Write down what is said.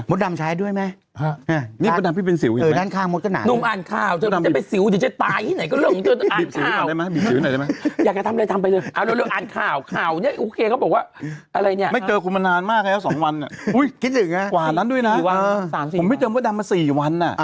มันหนาขึ้น